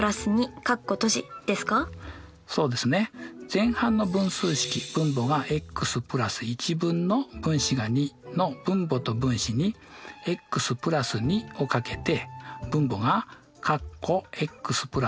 前半の分数式分母がｘ＋１分の分子が２の分母と分子にｘ＋２をかけて。